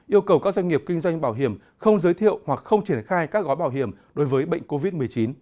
yêu cầu các doanh nghiệp kinh doanh bảo hiểm không giới thiệu hoặc không triển khai các gói bảo hiểm đối với bệnh covid một mươi chín